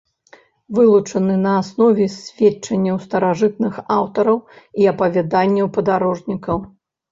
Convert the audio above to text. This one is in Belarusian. Вылучаны на аснове сведчанняў старажытных аўтараў і апавяданняў падарожнікаў.